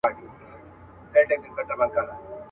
درې ملګري.